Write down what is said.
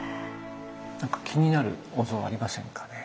何か気になるお像ありませんかね？